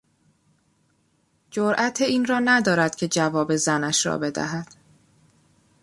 جرات این را ندارد که جواب زنش را بدهد.